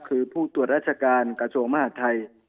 คือผู้ตัวราชการกระโสมหาทัย